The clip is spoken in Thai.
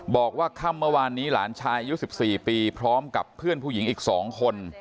บอกว่าค่ำเมื่อวานนี้หลานชายอายุ๑๔ปีพร้อมกับเพื่อนผู้หญิงอีก๒คน